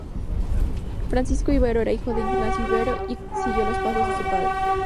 Francisco Ibero era hijo de Ignacio Ibero y siguió los pasos de su padre.